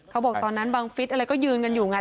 เขาบอกตอนนั้นบังฟิศอะไรก็ยืนกันอยู่ไง